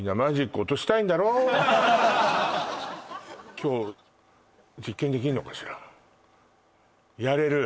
今日実験できんのかしらやれる！